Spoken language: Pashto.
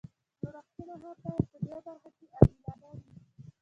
جوړښتونه هم باید په دې برخه کې عادلانه وي.